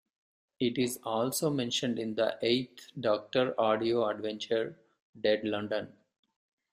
It is also mentioned in the Eighth Doctor audio adventure "Dead London".